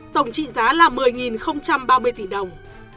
tổng trị giá là một mươi ba mươi tỷ đồng